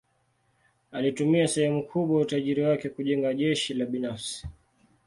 Alitumia sehemu kubwa ya utajiri wake kujenga jeshi la binafsi.